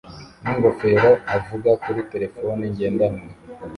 n'ingofero avuga kuri terefone ngendanwa